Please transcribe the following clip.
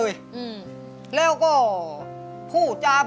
สวัสดีครับ